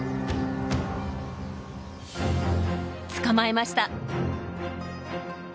捕まえました！